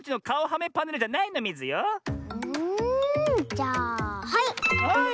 じゃあはい！